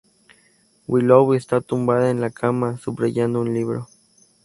Willow está tumbada en la cama, subrayando un libro.